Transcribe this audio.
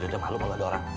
yaudah malu kalo ada orang